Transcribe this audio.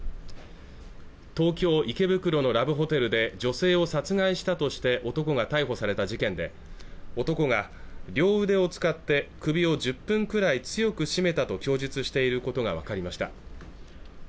東京池袋のラブホテルで女性を殺害したとして男が逮捕された事件で男が両腕を使って首を１０分くらい強く絞めたと供述していることが分かりました